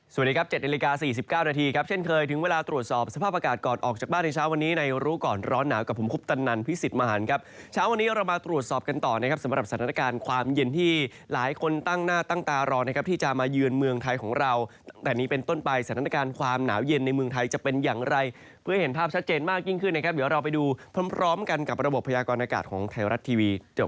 สวัสดีครับ๗นาฬิกา๔๙นาทีครับเช่นเคยถึงเวลาตรวจสอบสภาพอากาศก่อนออกจากบ้านในเช้าวันนี้ในรู้ก่อนร้อนหนาวกับผมคุปตันนันพิสิทธิ์มหารครับเช้าวันนี้เรามาตรวจสอบกันต่อนะครับสำหรับสถานการณ์ความเย็นที่หลายคนตั้งหน้าตั้งตารอนะครับที่จะมาเยือนเมืองไทยของเราแต่นี้เป็นต้นไปสถานการณ์คว